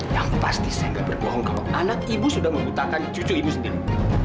yang pasti saya nggak berbohong kalau anak ibu sudah membutakan cucu ini sendiri